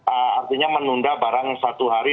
artinya menunda barang satu hari